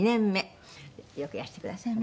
よくいらしてくださいました。